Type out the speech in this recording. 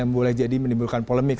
yang boleh jadi menimbulkan polemik